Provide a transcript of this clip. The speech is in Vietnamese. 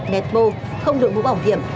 nét mô không đổi mũ bỏng hiểm